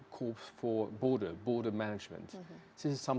karena membuatkan kekuatan polisi yang unik